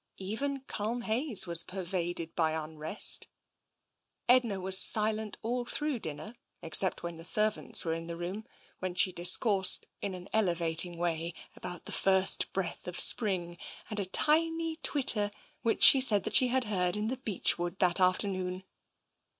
Even Culmhayes was pervaded by unrest. Edna was silent all through dinner, except when the servants were in the room, when she discoursed in an elevating way about the first breath of spring, and a tiny twitter which she said that she had heard in the beech wood that afternoon.